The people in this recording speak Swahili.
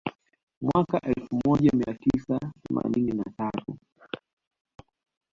Mwaka elfu moja mia tisa themanini na tatu